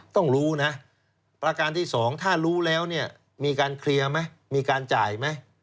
ต้องรู้นะประการที่๒ถ้ารู้แล้วเนี่ยมีการเคลียร์ไหมมีการจ่ายไหม